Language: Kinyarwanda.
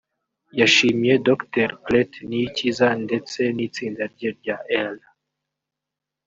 yashimiye Dr Clet Niyikiza ndetse n’itsinda rye rya L